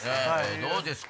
どうですか？